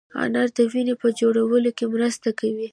انار د وینې په جوړولو کې مرسته کوي.